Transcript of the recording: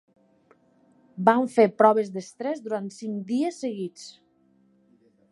Vam fer proves d'estrès durant cinc dies seguits.